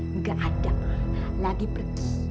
nggak ada lagi pergi